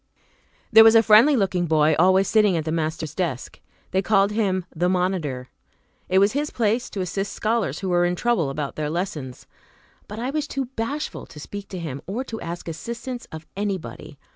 There was a friendly looking boy always sitting at the master's desk; they called him "the monitor." It was his place to assist scholars who were in trouble about their lessons, but I was too bashful to speak to him, or to ask assistance of anybody.